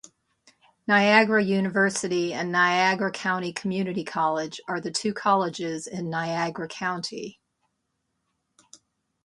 Niagara University and Niagara County Community College are the two colleges in Niagara County.